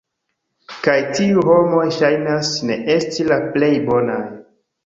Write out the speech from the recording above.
Kaj tiuj homoj ŝajnas ne esti la plej bonaj